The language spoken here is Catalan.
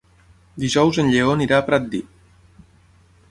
Dijous en Lleó anirà a Pratdip.